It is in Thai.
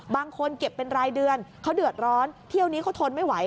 บางคนเก็บเป็นรายเดือนเขาเดือดร้อนเที่ยวนี้เขาทนไม่ไหว